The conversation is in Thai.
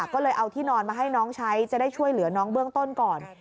ก็เลยเอาที่นอนมาให้น้องใช้จะได้ช่วยเหลือน้องเบื้องต้นก่อน